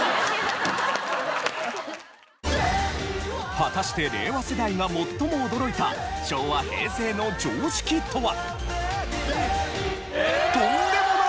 果たして令和世代が最も驚いた昭和・平成の常識とは？